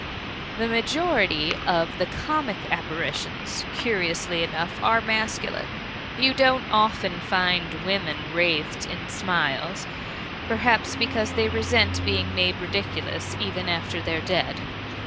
The majority of the comic apparitions, curiously enough, are masculine. You don't often find women wraithed in smiles perhaps because they resent being made ridiculous, even after they're dead.